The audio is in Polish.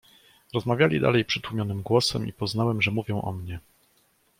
"Rozmawiali dalej przytłumionym głosem i poznałem, że mówią o mnie."